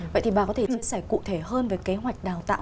vậy thì bà có thể chia sẻ cụ thể hơn về kế hoạch đào tạo